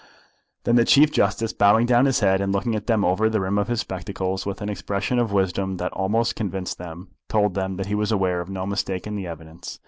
Then the Chief Justice, bowing down his head and looking at them over the rim of his spectacles with an expression of wisdom that almost convinced them, told them that he was aware of no mistake in the evidence.